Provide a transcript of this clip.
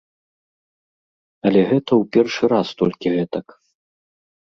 Але гэта ў першы раз толькі гэтак.